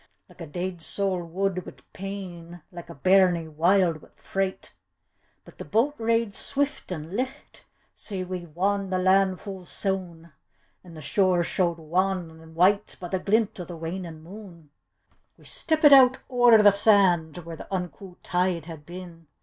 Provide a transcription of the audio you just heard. Like a deid saul wud wi' pain. Like a baimie wild wi' freit; But the boat radc swift an' licht, Sae we wan the land fu' suite, An' the shore showed wan an' white By a glint o' the waning munc. We stcppit oot owre the sand Where an unco' tide had been.